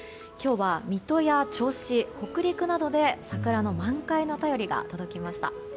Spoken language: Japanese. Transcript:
今日は水戸や銚子、北陸などで桜の満開の便りが届きました。